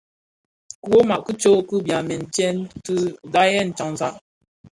Kiwoma ki tsok bi byamèn tyèn ti dhayen tyanzag.